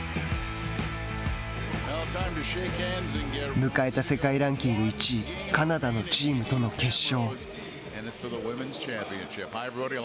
迎えた世界ランキング１位カナダのチームとの決勝。